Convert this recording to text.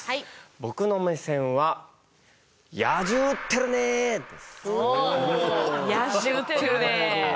僕の目線は「野獣ってるねー！」。